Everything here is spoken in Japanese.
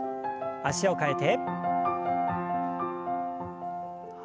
脚を替えて。